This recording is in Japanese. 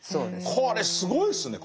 これすごいですね。